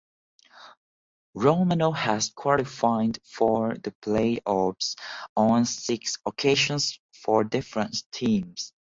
Romano has qualified for the play offs on six occasions for different teams.